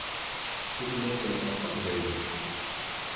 Tutlayt-nteɣ d taqbaylit.